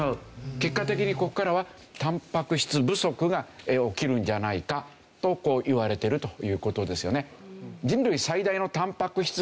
結果的にここからはタンパク質不足が起きるんじゃないかといわれてるという事ですよね。